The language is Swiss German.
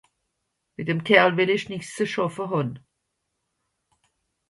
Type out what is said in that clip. Mìt dem Kerl wìll ìch nìx ze schàffe hàn.